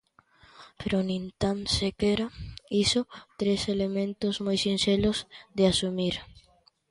Pero nin tan sequera iso, tres elementos moi sinxelos de asumir.